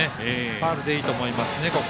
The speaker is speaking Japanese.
ファウルでいいと思いますね。